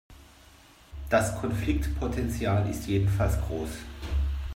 Das Konfliktpotenzial ist jedenfalls groß.